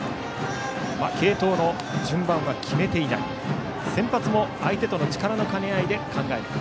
継投の順番は決めていない先発も相手との力の兼ね合いで考える。